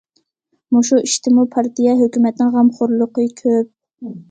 مۇشۇ ئىشتىمۇ پارتىيە، ھۆكۈمەتنىڭ غەمخورلۇقى كۆپ.